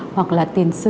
hoặc là tiền sửa